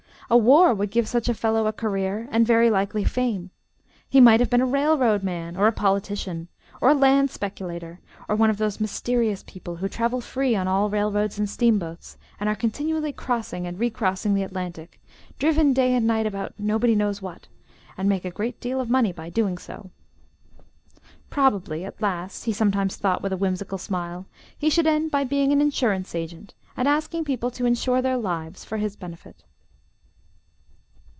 A war would give such a fellow a career and very likely fame. He might have been a "railroad man," or a politician, or a land speculator, or one of those mysterious people who travel free on all rail roads and steamboats, and are continually crossing and recrossing the Atlantic, driven day and night about nobody knows what, and make a great deal of money by so doing. Probably, at last, he sometimes thought with a whimsical smile, he should end by being an insurance agent, and asking people to insure their lives for his benefit.